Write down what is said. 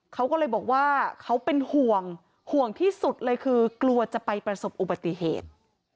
เขาก็เลยบอกว่าเขาเป็นห่วงห่วงที่สุดเลยคือกลัวจะไปประสบอุบัติเหตุ